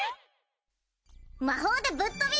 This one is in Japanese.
魔法でぶっ飛び！